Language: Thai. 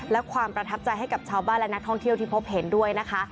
และความประทับใจให้กับชาวบ้านและนักท่องเที่ยวที่พบเห็นด้วยนะคะ